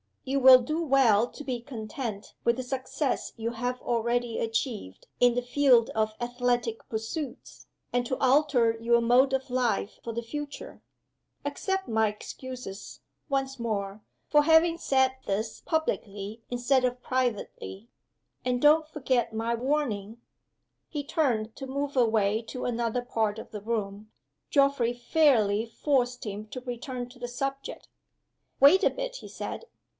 You will do well to be content with the success you have already achieved in the field of athletic pursuits, and to alter your mode of life for the future. Accept my excuses, once more, for having said this publicly instead of privately and don't forget my warning." He turned to move away to another part of the room. Geoffrey fairly forced him to return to the subject. "Wait a bit," he said.